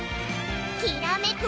きらめく